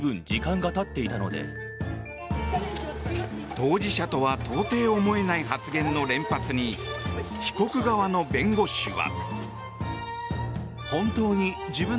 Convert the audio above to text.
当事者とは到底思えない発言の連発に被告側の弁護士は。